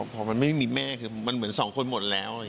พอมันไม่มีแม่คือมันเหมือนสองคนหมดแล้ว